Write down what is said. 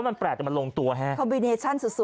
มันลงตัวแห้ง